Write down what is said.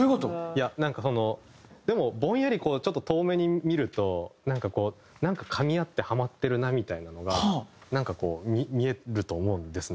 いやなんかそのでもぼんやりちょっと遠目に見るとなんかかみ合ってハマってるなみたいなのがなんかこう見えると思うんですね。